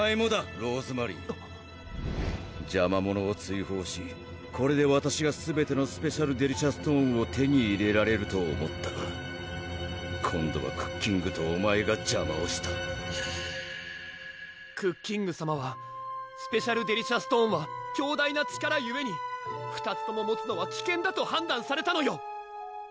ローズマリー邪魔者を追放しこれでわたしがすべてのスペシャルデリシャストーンを手に入れられると思ったが今度はクッキングとお前が邪魔をしたクッキングさまはスペシャルデリシャストーンは強大な力ゆえに２つとも持つのは危険だと判断されたのよ